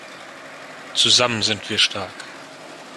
Zusammen sind wir stark!